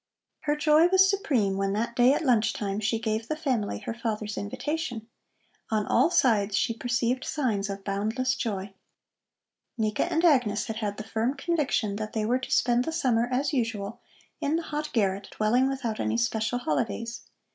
Her joy was supreme when that day at lunch time she gave the family her father's invitation. On all sides she perceived signs of boundless joy. Nika and Agnes had had the firm conviction that they were to spend the summer, as usual, in the hot garret dwelling without any special holidays.